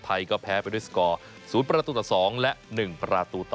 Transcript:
ก็แพ้ไปด้วยสกอร์๐ประตูต่อ๒และ๑ประตูต่อ